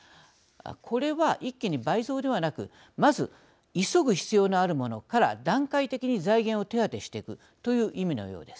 これは一気に倍増ではなくまず急ぐ必要のあるものから段階的に財源を手当していくという意味のようです。